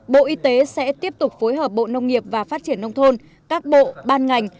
bộ y tế sẽ tiếp tục phối hợp bộ nông nghiệp và phát triển nông thôn các bộ ban ngành